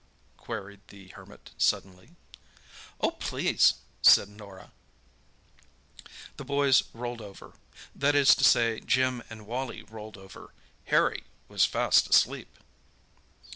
queried the Hermit suddenly. "Oh, please," said Norah. The boys rolled over—that is to say Jim and Wally rolled over. Harry was fast asleep.